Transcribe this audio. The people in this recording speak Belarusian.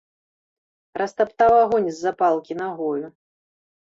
Растаптаў агонь з запалкі нагою.